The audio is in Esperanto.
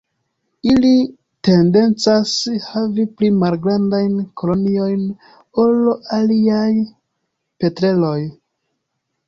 Ili tendencas havi pli malgrandajn koloniojn ol aliaj petreloj.